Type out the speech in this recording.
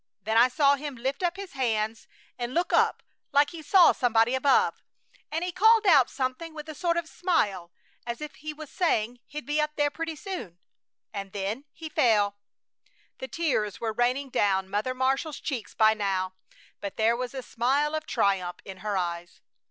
Then I saw him lift up his hands and look up like he saw somebody above, and he called out something with a sort of smile, as if he was saying he'd be up there pretty soon! And then he fell!" The tears were raining down Mother Marshall's cheeks by now, but there was a smile of triumph in her eyes.